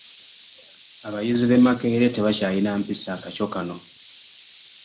Abayizi be Makerere tebakyalina mpisa akakyo kano!